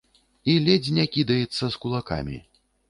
І ледзь не кідаецца з кулакамі!